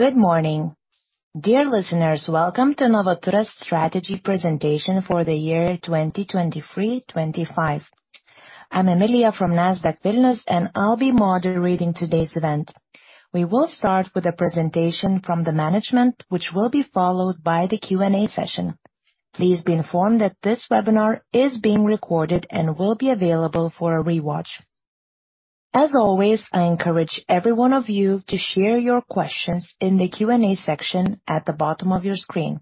Good morning. Dear listeners, welcome to Novaturas strategy presentation for the year 2023-2025. I'm Emilia from Nasdaq Vilnius, and I'll be moderating today's event. We will start with a presentation from the management, which will be followed by the Q&A session. Please be informed that this webinar is being recorded and will be available for a rewatch. As always, I encourage every one of you to share your questions in the Q&A section at the bottom of your screen,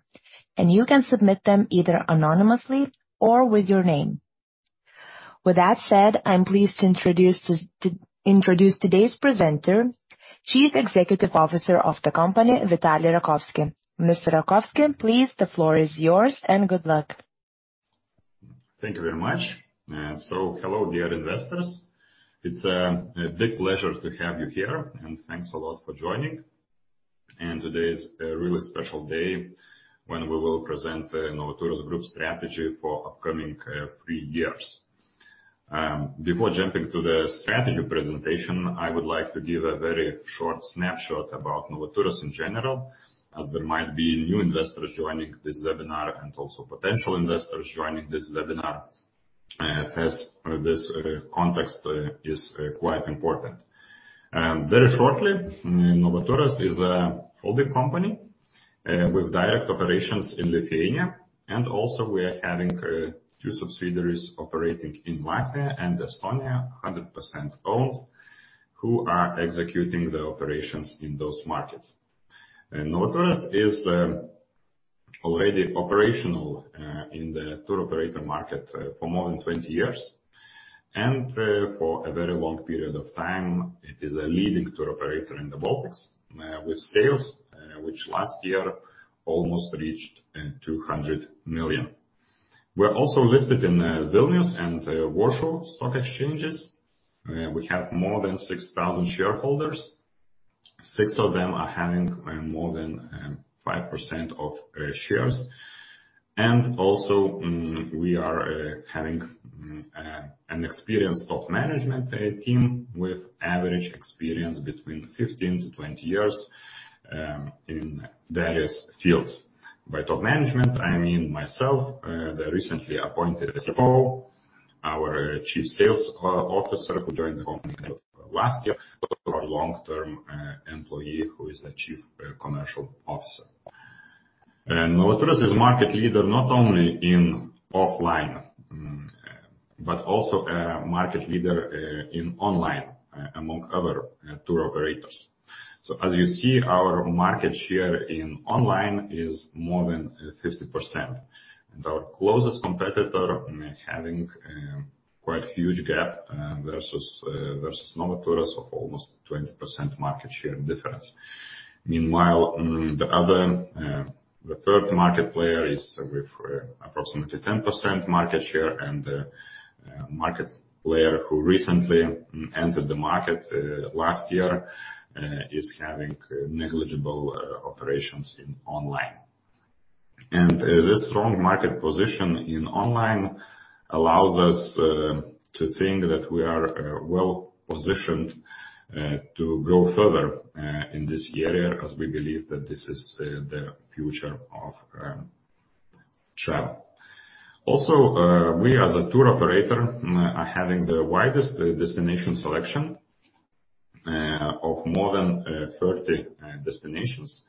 and you can submit them either anonymously or with your name. With that said, I'm pleased to introduce today's presenter, Chief Executive Officer of the company, Vitalij Rakovski. Mr. Rakovski, please, the floor is yours, and good luck. Thank you very much. Hello, dear investors. It's a big pleasure to have you here, and thanks a lot for joining. Today is a really special day when we will present Novaturas Group's strategy for upcoming 3 years. Before jumping to the strategy presentation, I would like to give a very short snapshot about Novaturas in general, as there might be new investors joining this webinar and also potential investors joining this webinar, as this context is quite important. Very shortly, Novaturas is a holding company with direct operations in Lithuania, and also we are having two subsidiaries operating in Latvia and Estonia, 100% owned, who are executing the operations in those markets. Novaturas is already operational in the tour operator market for more than 20 years. For a very long period of time, it is a leading tour operator in the Baltics, with sales which last year almost reached 200 million. We're also listed in Nasdaq Vilnius and Warsaw Stock Exchanges. We have more than 6,000 shareholders. 6 of them are having more than 5% of shares. Also, we are having an experienced top management team with average experience between 15 to 20 years in various fields. By top management, I mean myself, the recently appointed CFO, our Chief Sales Officer, who joined the company last year, our long-term employee, who is the Chief Commercial Officer. Novaturas is market leader not only in offline, but also a market leader in online among other tour operators. As you see, our market share in online is more than 50%. Our closest competitor are having quite huge gap versus Novaturas of almost 20% market share difference. Meanwhile, the other, the third market player is with approximately 10% market share, and the market player who recently entered the market last year is having negligible operations in online. This strong market position in online allows us to think that we are well-positioned to go further in this area as we believe that this is the future of travel. We as a tour operator are having the widest destination selection of more than 30 destinations.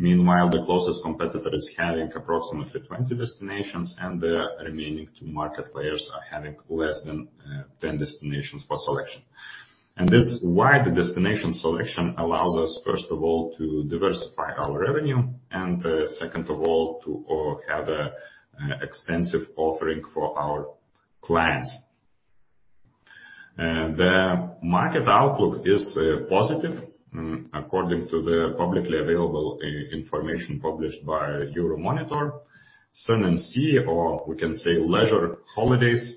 Meanwhile, the closest competitor is having approximately 20 destinations, and the remaining two market players are having less than 10 destinations for selection. And this wide destination selection allows us, first of all, to diversify our revenue, and second of all, to have a extensive offering for our clients. The market outlook is positive, according to the publicly available information published by Euromonitor. Sun and Sea, or we can say leisure holidays,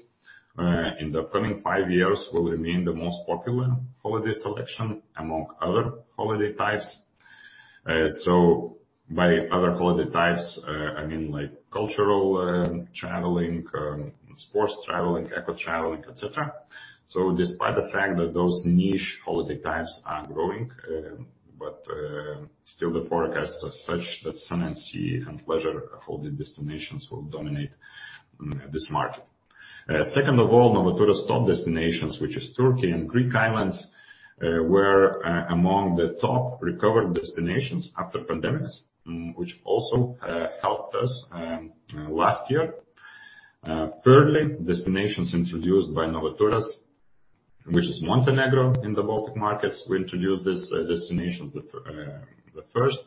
in the upcoming 5 years will remain the most popular holiday selection among other holiday types. So by other holiday types, I mean like cultural traveling, sports traveling, eco-traveling, etc. So despite the fact that those niche holiday types are growing, but still the forecast is such that Sun and Sea and leisure holiday destinations will dominate this market. Second of all, Novaturas top destinations, which is Turkey and Greek Islands, were among the top recovered destinations after pandemics, which also helped us last year. Thirdly, destinations introduced by Novaturas, which is Montenegro in the Baltic markets. We introduced this destinations the first,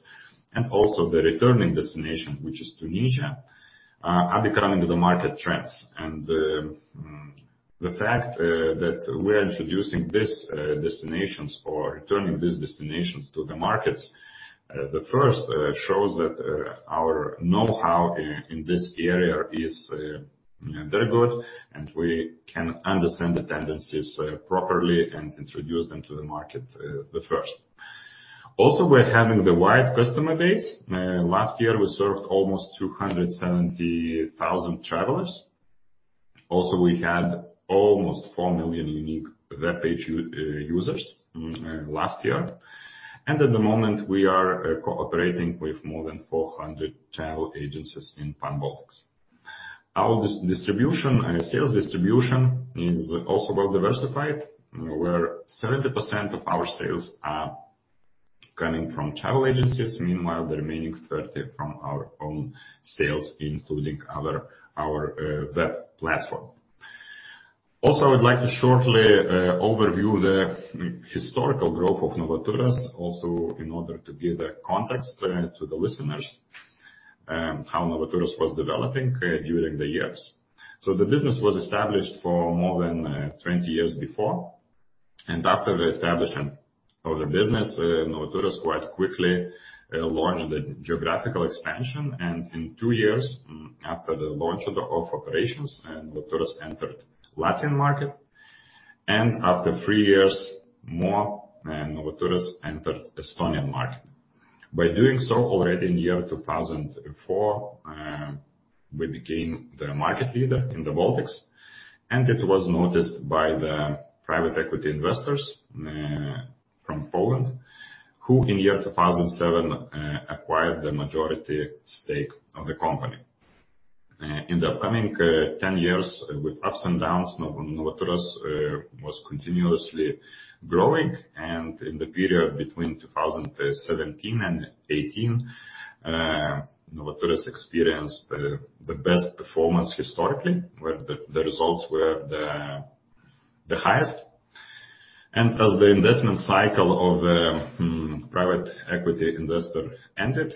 and also the returning destination, which is Tunisia, are becoming the market trends. The fact that we're introducing this destinations or returning these destinations to the markets the first, shows that our know-how in this area is very good, and we can understand the tendencies properly and introduce them to the market the first. Also, we're having the wide customer base. Last year, we served almost 270,000 travelers. Also, we had almost 4 million unique web page users last year. At the moment we are cooperating with more than 400 travel agencies in Pan Baltics. Our distribution and sales distribution is also well diversified, where 70% of our sales are coming from travel agencies. Meanwhile, the remaining 30 from our own sales, including our web platform. I would like to shortly overview the historical growth of Novaturas also in order to give the context to the listeners how Novaturas was developing during the years. The business was established for more than 20 years before. After the establishment of the business, Novaturas quite quickly launched the geographical expansion, and in 2 years after the launch of the operations, Novaturas entered Latin America, and after 3 years more, Novaturas entered Estonian market. By doing so already in the year 2004, we became the market leader in the Baltics, it was noticed by the private equity investors from Poland, who in year 2007 acquired the majority stake of the company. In the coming 10 years, with ups and downs, Novaturas was continuously growing. In the period between 2017 and 2018, Novaturas experienced the best performance historically. Where the results were the highest. As the investment cycle of the private equity investor ended,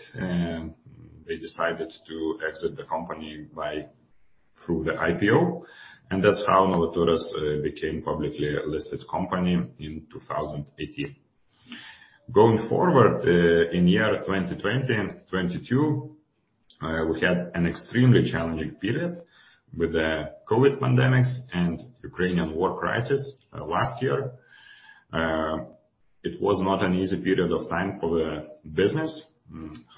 they decided to exit the company through the IPO. That's how Novaturas became publicly listed company in 2018. Going forward, in year 2020 and 2022, we had an extremely challenging period with the COVID pandemics and Ukrainian war crisis last year. It was not an easy period of time for the business.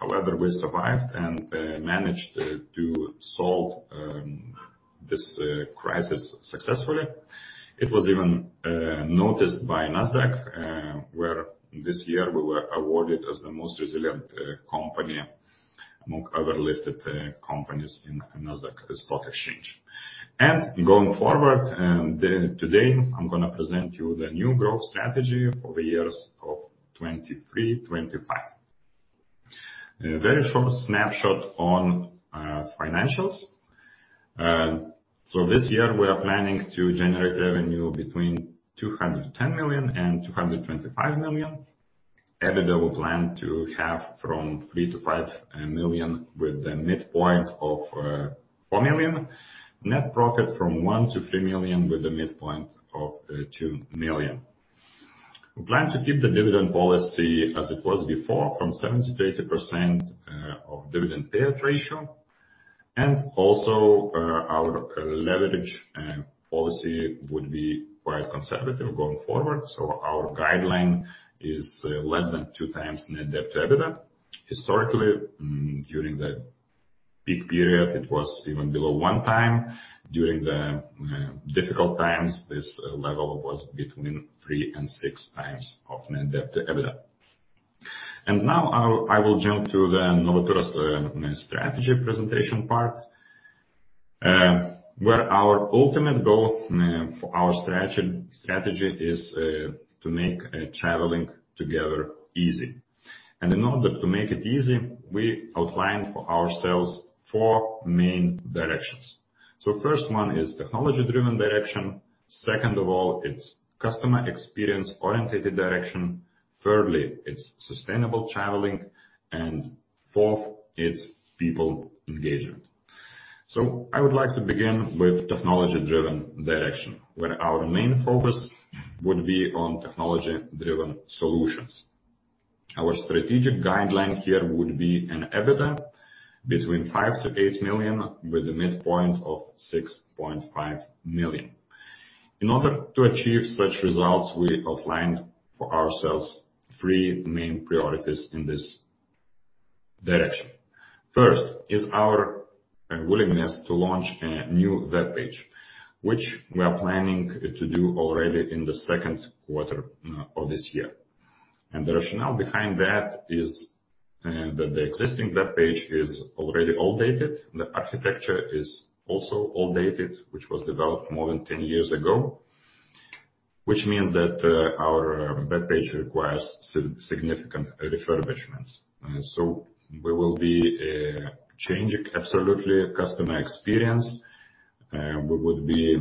However, we survived and managed to solve this crisis successfully. It was even noticed by Nasdaq, where this year we were awarded as the most resilient company among other listed companies in Nasdaq Stock Exchange. Going forward, and then today, I'm gonna present you the new growth strategy for the years of 2023, 2025. A very short snapshot on financials. This year we are planning to generate revenue between 210 million and 225 million. EBITDA, we plan to have from 3 million-5 million with a midpoint of 4 million. Net profit from 1 million-3 million with a midpoint of 2 million. We plan to keep the dividend policy as it was before from 70%-80% of dividend payout ratio. Our leverage policy would be quite conservative going forward. Our guideline is less than 2 times net debt to EBITDA. Historically, during the peak period, it was even below 1 time. During the difficult times, this level was between 3 and 6 times of net debt to EBITDA. Now I will jump to the Novaturas strategy presentation part, where our ultimate goal for our strategy is to make traveling together easy. In order to make it easy, we outlined for ourselves 4 main directions. First one is technology-driven direction. Second of all, it's customer experience-orientated direction. Thirdly, it's sustainable traveling. Fourth, it's people engagement. I would like to begin with technology-driven direction, where our main focus would be on technology-driven solutions. Our strategic guideline here would be an EBITDA between 5 million-8 million with a midpoint of 6.5 million. In order to achieve such results, we outlined for ourselves three main priorities in this direction. First is our willingness to launch a new web page, which we are planning to do already in the second quarter of this year. The rationale behind that is that the existing web page is already outdated. The architecture is also outdated, which was developed more than 10 years ago. Which means that our web page requires significant refurbishments. We will be changing absolutely customer experience. We would be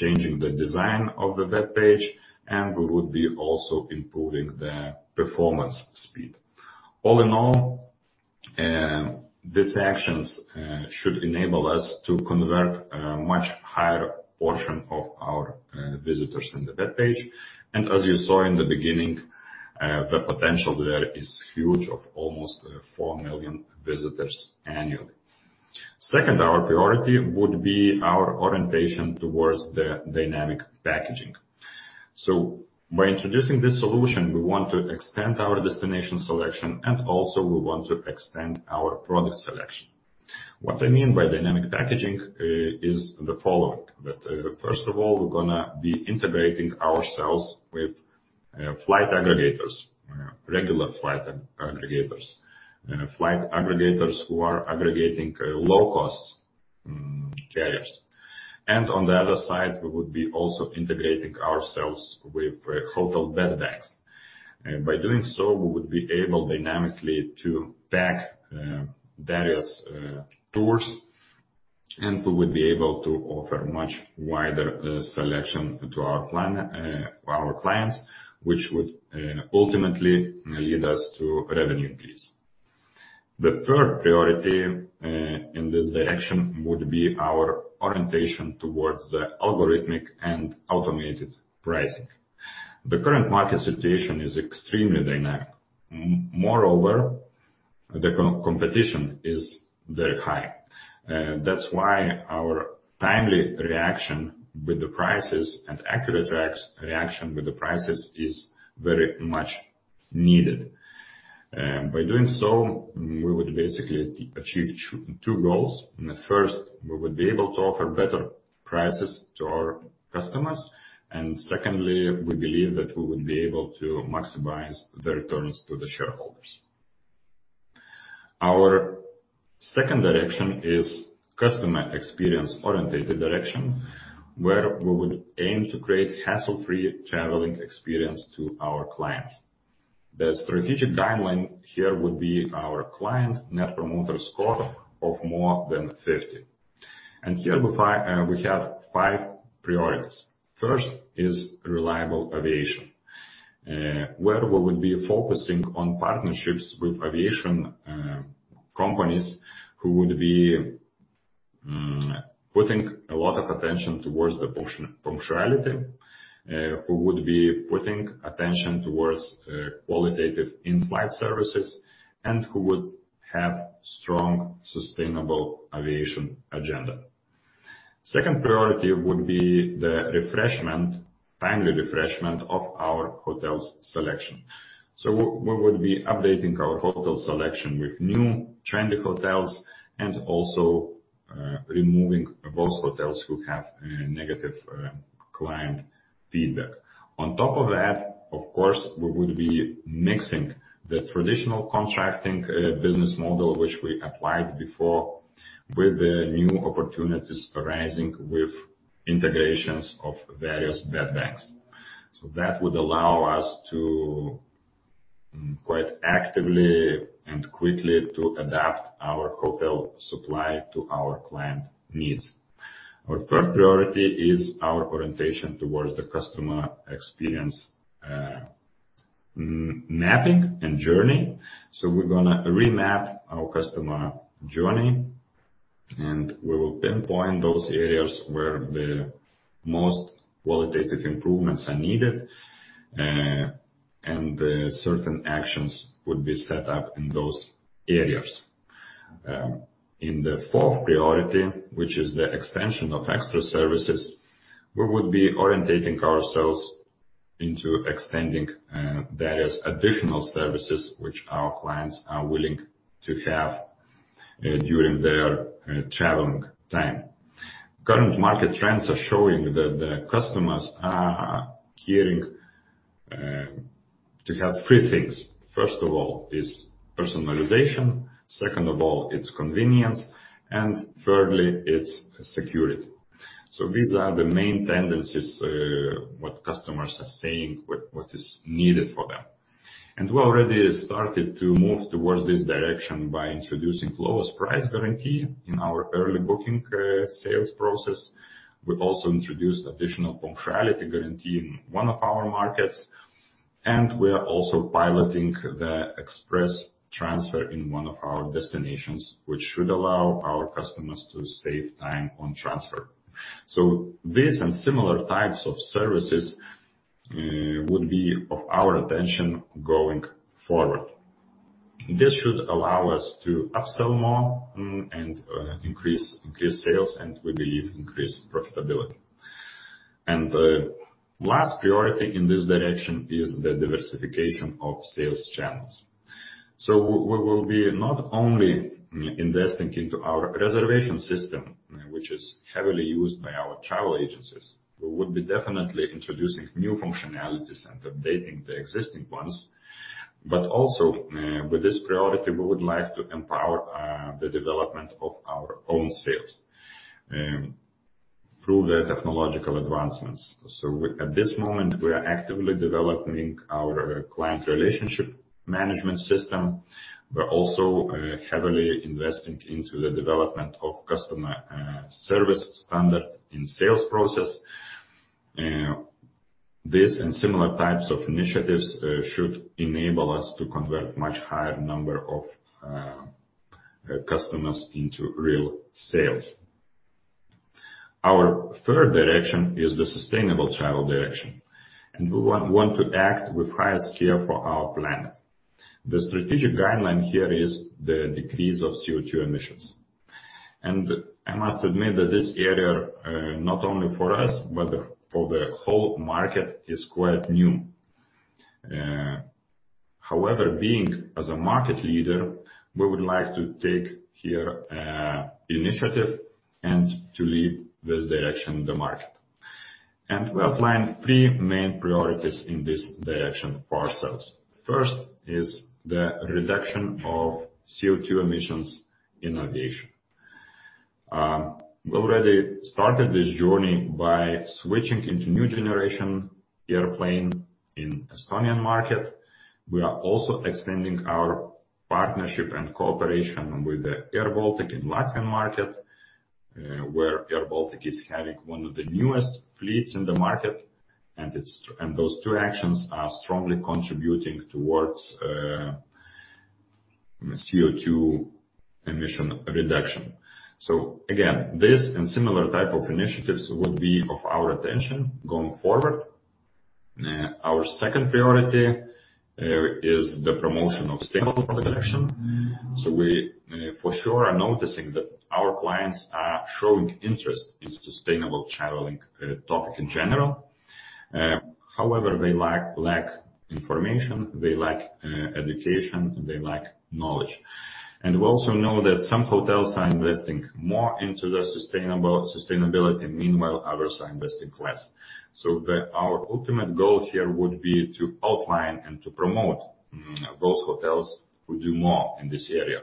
changing the design of the web page, and we would be also improving the performance speed. All in all, these actions should enable us to convert a much higher portion of our visitors in the web page. As you saw in the beginning, the potential there is huge of almost 4 million visitors annually. Second, our priority would be our orientation towards the dynamic packaging. By introducing this solution, we want to extend our destination selection, and also we want to extend our product selection. What I mean by dynamic packaging is the following. First of all, we're gonna be integrating ourselves with flight aggregators, regular flight aggregators. Flight aggregators who are aggregating low-cost carriers. On the other side, we would be also integrating ourselves with hotel bed banks. By doing so, we would be able dynamically to pack various tours, we would be able to offer much wider selection to our clients, which would ultimately lead us to revenue increase. The third priority in this direction would be our orientation towards the algorithmic and automated pricing. The current market situation is extremely dynamic. Moreover, the competition is very high. That's why our timely reaction with the prices and accurate reaction with the prices is very much needed. By doing so, we would basically achieve two goals. The first, we would be able to offer better prices to our customers. Secondly, we believe that we would be able to maximize the returns to the shareholders. Our second direction is customer experience-orientated direction, where we would aim to create hassle-free traveling experience to our clients. The strategic guideline here would be our client net promoter score of more than 50. Here we have 5 priorities. First is reliable aviation, where we would be focusing on partnerships with aviation companies who would be putting a lot of attention towards the punctuality. Who would be putting attention towards qualitative in-flight services, and who would have strong, sustainable aviation agenda. Second priority would be the refreshment, timely refreshment of our hotels selection. We would be updating our hotel selection with new trendy hotels, and also, removing those hotels who have a negative client feedback. On top of that, of course, we would be mixing the traditional contracting business model, which we applied before, with the new opportunities arising with integrations of various bed banks. That would allow us to quite actively and quickly to adapt our hotel supply to our client needs. Our third priority is our orientation towards the customer experience, mapping and journey. We're gonna remap our customer journey, and we will pinpoint those areas where the most qualitative improvements are needed. The certain actions would be set up in those areas. In the fourth priority, which is the extension of extra services, we would be orientating ourselves into extending various additional services which our clients are willing to have during their traveling time. Current market trends are showing that the customers are caring to have three things. First of all is personalization, second of all, it's convenience, and thirdly, it's security. These are the main tendencies what customers are saying, what is needed for them. We already started to move towards this direction by introducing lowest price guarantee in our early booking sales process. We've also introduced additional punctuality guarantee in one of our markets. We are also piloting the express transfer in one of our destinations, which should allow our customers to save time on transfer. These and similar types of services would be of our attention going forward. This should allow us to upsell more and increase sales, and we believe increase profitability. The last priority in this direction is the diversification of sales channels. We will be not only investing into our reservation system, which is heavily used by our travel agencies. We would be definitely introducing new functionalities and updating the existing ones. Also, with this priority, we would like to empower the development of our own sales through the technological advancements. At this moment, we are actively developing our customer relationship management system. We're also heavily investing into the development of customer service standard in sales process. This and similar types of initiatives should enable us to convert much higher number of customers into real sales. Our third direction is the sustainable travel direction, and we want to act with highest care for our planet. The strategic guideline here is the decrease of CO2 emissions. I must admit that this area, not only for us, but for the whole market is quite new. However, being as a market leader, we would like to take here initiative and to lead this direction, the market. We are planning three main priorities in this direction for ourselves. First is the reduction of CO₂ emissions in aviation. We already started this journey by switching into new generation airplane in Estonian market. We are also extending our partnership and cooperation with airBaltic in Latvian market, where airBaltic is having one of the newest fleets in the market. Those two actions are strongly contributing towards CO₂ emission reduction. Again, this and similar type of initiatives would be of our attention going forward. Our second priority is the promotion of sustainable production. We for sure are noticing that our clients are showing interest in sustainable traveling topic in general. However, they lack information, they lack education, and they lack knowledge. We also know that some hotels are investing more into the sustainability, meanwhile, others are investing less. Our ultimate goal here would be to outline and to promote those hotels who do more in this area.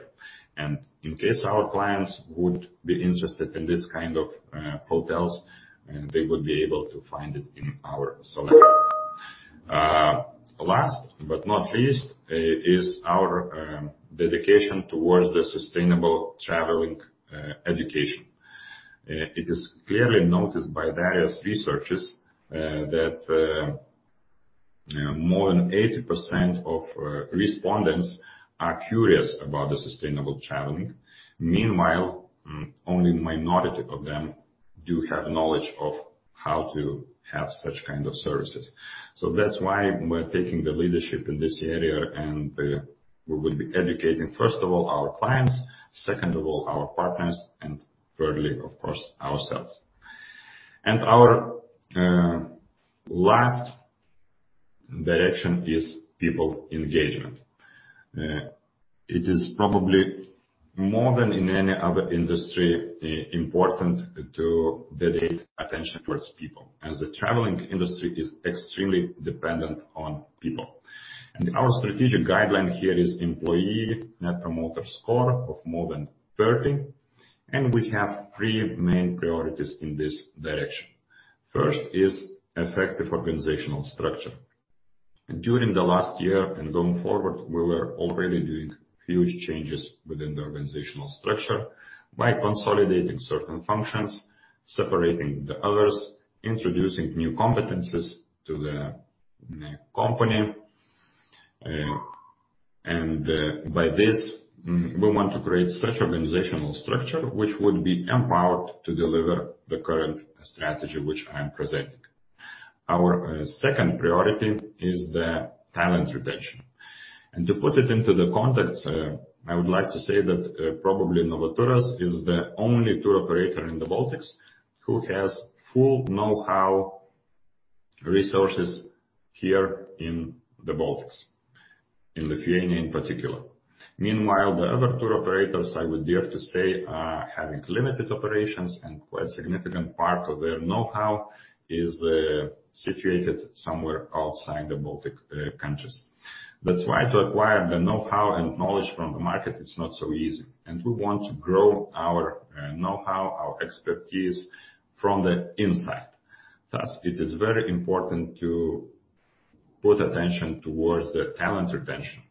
In case our clients would be interested in this kind of hotels, they would be able to find it in our selection. Last but not least, is our dedication towards the sustainable traveling education. It is clearly noticed by various researchers that more than 80% of respondents are curious about the sustainable traveling. Meanwhile, only minority of them do have knowledge of how to have such kind of services. That's why we're taking the leadership in this area, and we will be educating, first of all our clients, second of all, our partners, and thirdly, of course, ourselves. Our last direction is people engagement. It is probably more than in any other industry, important to dedicate attention towards people, as the traveling industry is extremely dependent on people. Our strategic guideline here is employee net promoter score of more than 30, and we have three main priorities in this direction. First is effective organizational structure. During the last year and going forward, we were already doing huge changes within the organizational structure by consolidating certain functions, separating the others, introducing new competencies to the company. By this, we want to create such organizational structure which would be empowered to deliver the current strategy which I'm presenting. Our second priority is the talent retention. To put it into the context, I would like to say that, probably Novaturas is the only tour operator in the Baltics who has full know-how resources here in the Baltics, in Lithuania in particular. Meanwhile, the other tour operators, I would dare to say, are having limited operations and quite significant part of their know-how is situated somewhere outside the Baltic countries. That's why to acquire the know-how and knowledge from the market is not so easy, and we want to grow our know-how, our expertise from the inside. Thus, it is very important to put attention towards the talent retention.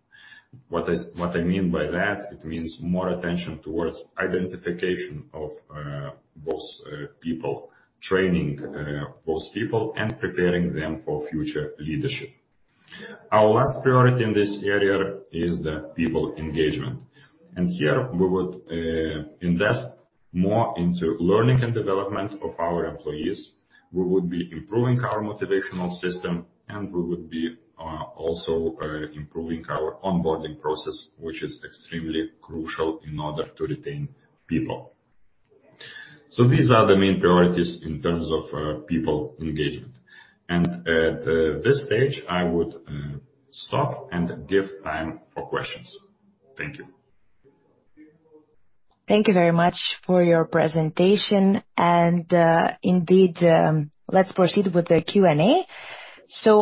What I mean by that, it means more attention towards identification of those people, training those people, and preparing them for future leadership. Our last priority in this area is the people engagement. Here we would invest more into learning and development of our employees. We would be improving our motivational system, and we would be also improving our onboarding process, which is extremely crucial in order to retain people. These are the main priorities in terms of people engagement. At this stage, I would stop and give time for questions. Thank you. Thank you very much for your presentation. Indeed, let's proceed with the Q&A.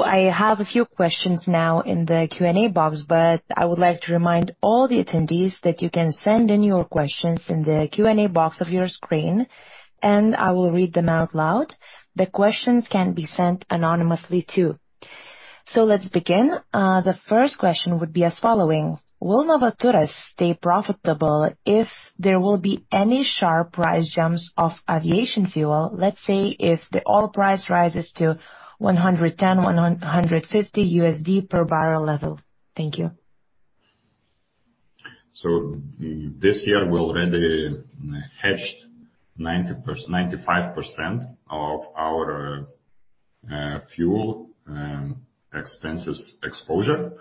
I have a few questions now in the Q&A box, but I would like to remind all the attendees that you can send in your questions in the Q&A box of your screen, and I will read them out loud. The questions can be sent anonymously too. Let's begin. The first question would be as following: Will Novaturas stay profitable if there will be any sharp price jumps of aviation fuel? Let's say if the oil price rises to 110, 150 USD per barrel level? Thank you. This year, we already hatched 95% of our fuel expenses exposure.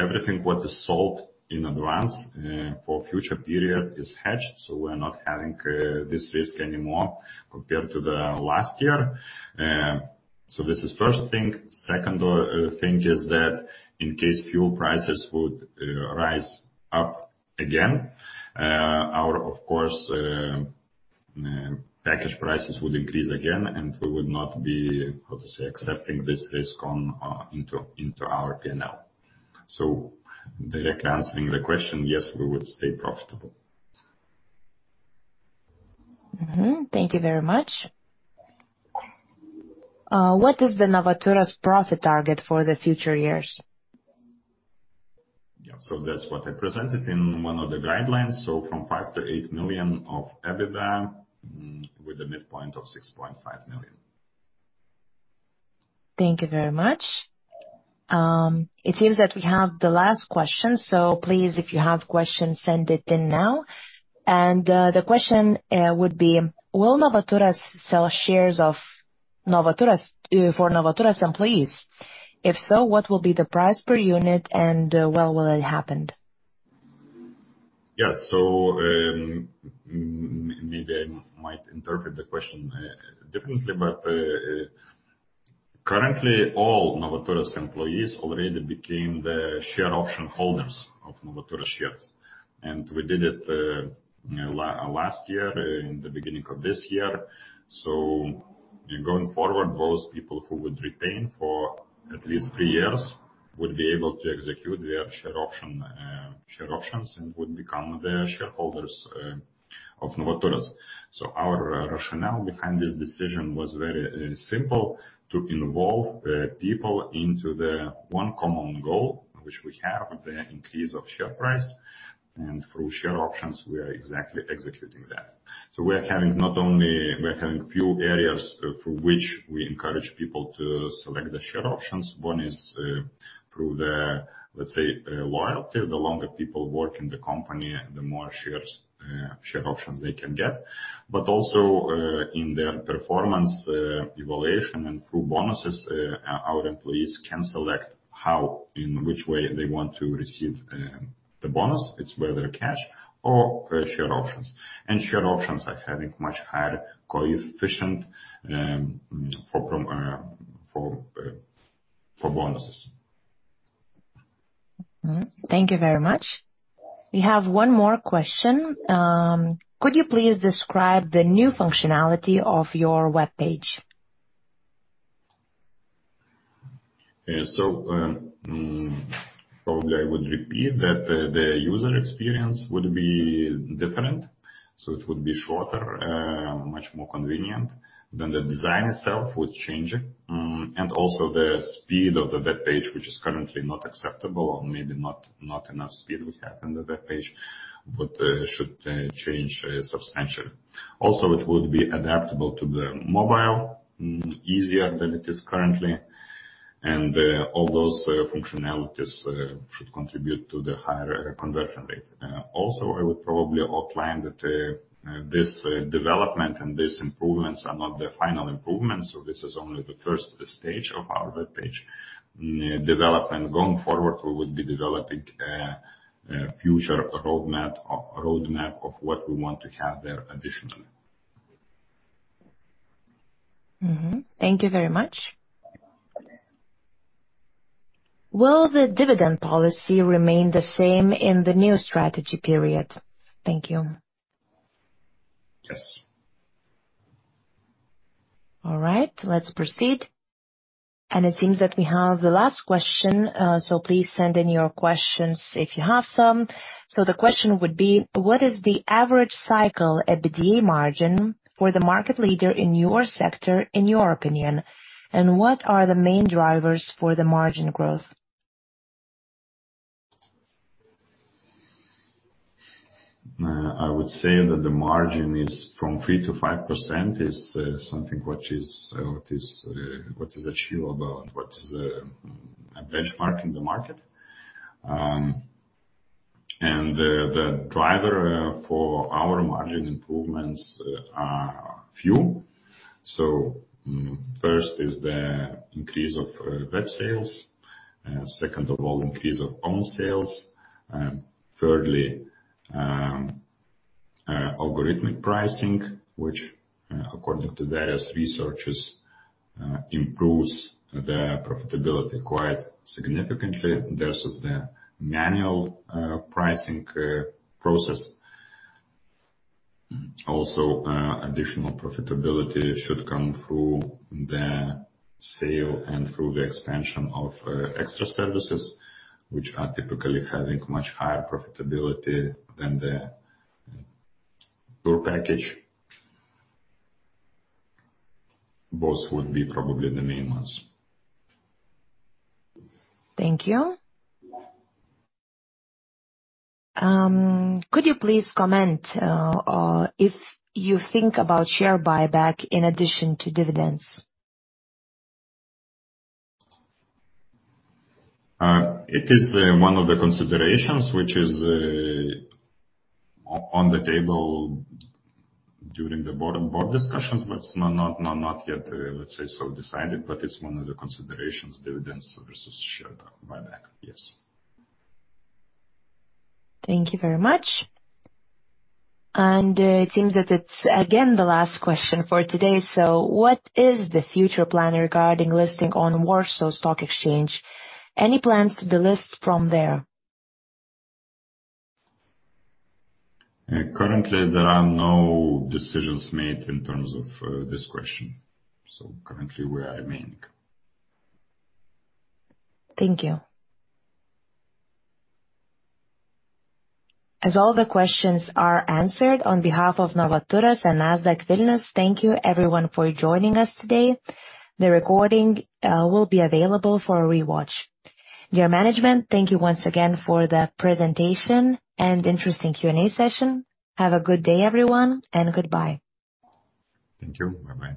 Everything what is sold in advance for future period is hedged, so we're not having this risk anymore compared to the last year. This is first thing. Second, thing is that in case fuel prices would rise up again, our, of course, package prices would increase again, and we would not be, how to say, accepting this risk on into our P&L. Directly answering the question, yes, we would stay profitable. Thank you very much. What is the Novaturas profit target for the future years? Yeah. That's what I presented in one of the guidelines. From 5 million-8 million of EBITDA, with a midpoint of 6.5 million. Thank you very much. It seems that we have the last question, so please, if you have questions, send it in now. The question would be: Will Novaturas sell shares of Novaturas for Novaturas employees? If so, what will be the price per unit and when will it happened? Yes. maybe I might interpret the question differently, but currently all Novaturas employees already became the share option holders of Novaturas shares. We did it last year in the beginning of this year. Going forward, those people who would retain for at least 3 years would be able to execute their share options and would become the shareholders of Novaturas. Our rationale behind this decision was very simple: to involve the people into the one common goal which we have, the increase of share price, and through share options we are exactly executing that. We're having few areas through which we encourage people to select the share options. One is through the, let's say, loyalty. The longer people work in the company, the more shares, share options they can get. Also, in their performance, evaluation and through bonuses, our employees can select how, in which way they want to receive the bonus. It's whether cash or share options. Share options are having much higher coefficient for bonuses. Thank you very much. We have one more question. Could you please describe the new functionality of your webpage? Probably I would repeat that the user experience would be different, so it would be shorter, much more convenient. The design itself would change. The speed of the webpage, which is currently not acceptable or maybe not enough speed we have in the webpage, should change substantially. It would be adaptable to the mobile, easier than it is currently. All those functionalities should contribute to the higher conversion rate. I would probably outline that this development and these improvements are not the final improvements. This is only the first stage of our webpage development. Going forward, we would be developing a future roadmap of what we want to have there additionally. Mm-hmm. Thank you very much. Will the dividend policy remain the same in the new strategy period? Thank you. Yes. All right. Let's proceed. It seems that we have the last question. Please send in your questions if you have some. The question would be: What is the average cycle EBITDA margin for the market leader in your sector, in your opinion, and what are the main drivers for the margin growth? I would say that the margin is from 3%-5% is something which is what is what is achievable and what is a benchmark in the market. The driver for our margin improvements are few. First is the increase of web sales. Second of all, increase of own sales. Thirdly, algorithmic pricing, which according to various researchers, improves the profitability quite significantly versus the manual pricing process. Additional profitability should come through the sale and through the expansion of extra services which are typically having much higher profitability than the tour package. Those would be probably the main ones. Thank you. Could you please comment, if you think about share buyback in addition to dividends? It is one of the considerations which is on the table during the board and board discussions, but it's not yet, let's say, so decided, but it's one of the considerations, dividends versus share buyback. Yes. Thank you very much. It seems that it's again the last question for today. What is the future plan regarding listing on Warsaw Stock Exchange? Any plans to delist from there? Currently, there are no decisions made in terms of this question. Currently we are remaining. Thank you. As all the questions are answered, on behalf of Novaturas and Nasdaq Vilnius, thank you everyone for joining us today. The recording will be available for rewatch. Dear management, thank you once again for the presentation and interesting Q&A session. Have a good day, everyone, and goodbye. Thank you. Bye-bye.